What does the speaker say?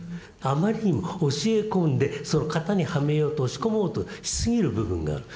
あまりにも教え込んで型にはめようと押し込もうとしすぎる部分がある。